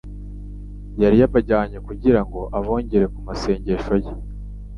yari yabajyanye kugira ngo abongere ku masengesho ye;